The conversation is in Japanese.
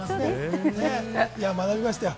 学びましたよ。